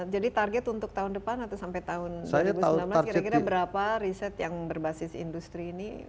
jadi target untuk tahun depan atau sampai tahun dua ribu sembilan belas kira kira berapa riset yang berbasis industri ini